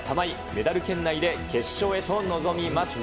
メダル圏内で決勝へと臨みます。